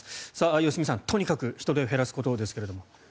良純さん、とにかく人出を減らすことですけど。